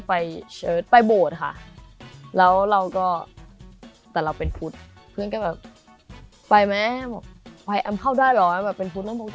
พี่แอมม์ไม่ต้องกลัวแดด